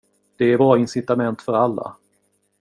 Det är bra incitament för alla!